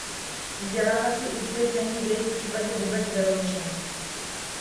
Vzdělávací úspěch není v jejich případě vůbec vyloučen.